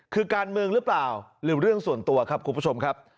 คือการเมืองหรือเปล่าหรือเรื่องส่วนตัวครับคุณผู้ชมครับ